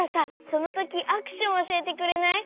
そのときアクションおしえてくれない？